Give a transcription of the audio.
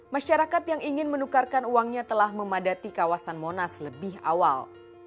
masyarakat yang ingin menukarkan uangnya telah memadati kawasan monas lebih awal